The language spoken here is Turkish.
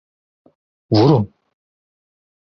Vurun!